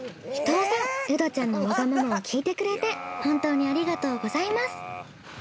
ウドちゃんのワガママを聞いてくれて本当にありがとうございます。